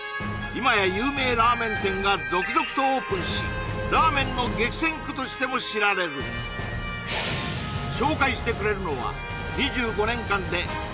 今や有名ラーメン店が続々とオープンしラーメンの激戦区としても知られる紹介してくれるのは２５年間で５５００